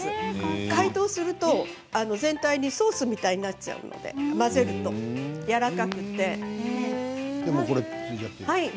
解凍すると全体にソースみたいになっちゃって混ぜるとやわらかくなって。